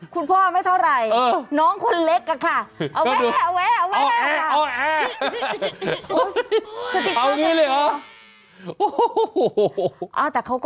คุณพ่อไม่เท่าไหร่น้องคนเล็กอะค่ะ